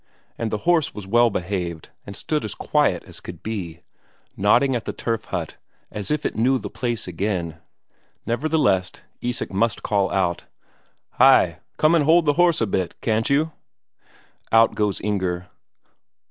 And the horse was well behaved, and stood as quiet as could be, nodding at the turf hut as if it knew the place again. Nevertheless, Isak must call out, "Hi, come and hold the horse a bit, can't you?" Out goes Inger.